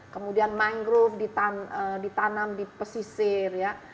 kemudian mangrove ditanam di pesisir ya